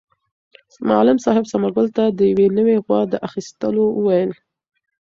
معلم صاحب ثمر ګل ته د یوې نوې غوا د اخیستلو وویل.